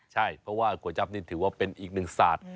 ใช่เพราะว่าก๋วยจับนี่ถือว่าเป็นอีกหนึ่งศาสตร์